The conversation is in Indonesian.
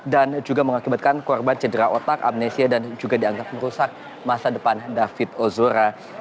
dan juga mengakibatkan korban cedera otak amnesia dan juga dianggap merusak masa depan david ozora